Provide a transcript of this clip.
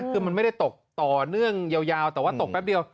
คือมันไม่ได้ตกต่อเนื่องยาวแต่ว่าตกแป๊บเดียว